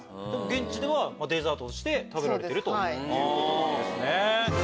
現地ではデザートとして食べられてるということなんです。